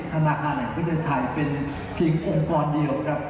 ธนาคารแหล่งวิจัยไทยเป็นเพียงองค์กรเดียว